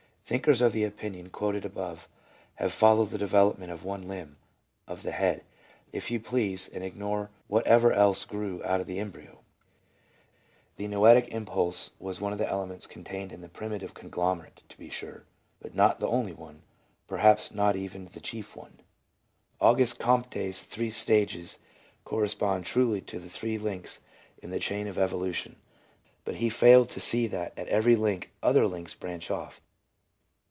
Thinkers of the opinion quoted above have followed the de velopment of one limb — of the head, if you please — and ignore whatever else grew out of the embryo. The noetic impulse was one of the elements contained in the primitive conglom erate, to be sure ; but not the only one, perhaps not even the chief one. Auguste Comte's three stages correspond truly to three links in the chain of evolution, but he failed to see that at every link other links branched off.